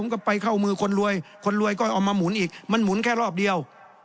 ก็ไปเข้ามือคนรวยคนรวยก็เอามาหมุนอีกมันหมุนแค่รอบเดียว